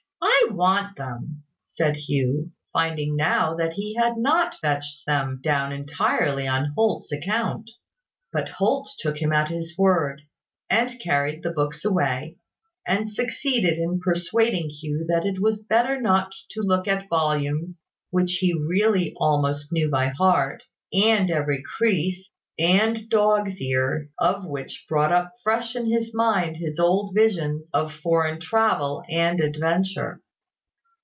I want them," said Hugh, finding now that he had not fetched them down entirely on Holt's account. But Holt took him at his word, and carried the books away, and succeeded in persuading Hugh that it was better not to look at volumes which he really almost knew by heart, and every crease, stain, and dog's ear of which brought up fresh in his mind his old visions of foreign travel and adventure.